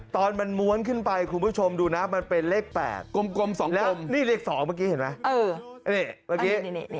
ตอนมันม้วนขึ้นไปคุณผู้ชมดูนะมันเป็นเลข๘แล้วเนี่ยเลข๒เมื่อกี้เห็นมั้ย